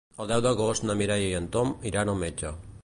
El deu d'agost na Mireia i en Tom iran al metge.